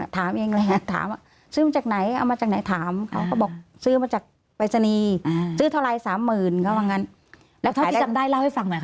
เท่าไหร่๓๐๐๐๐ก็ว่างั้นถ้าไม่จำได้เราให้ฟังมั้ยคะ